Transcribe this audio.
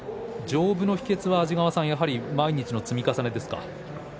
丈夫の秘けつはやはり毎日の積み重ねですか。